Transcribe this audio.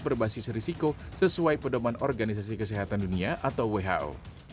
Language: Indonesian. berbasis risiko sesuai pedoman organisasi kesehatan dunia atau who